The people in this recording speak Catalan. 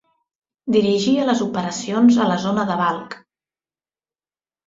Dirigia les operacions a la zona de Balkh.